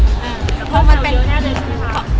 แล้วก็มันเป็น